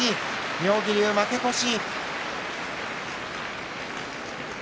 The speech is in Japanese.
妙義龍、負け越し。